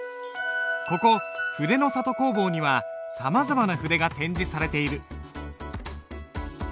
ここ筆の里工房にはさまざまな筆が展示されている。